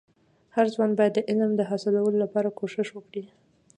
هرځوان باید د علم د حاصلولو لپاره کوښښ وکړي.